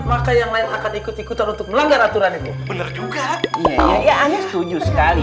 maka yang lain akan ikut ikutan untuk melanggar aturan ini benar juga iya hanya setuju sekali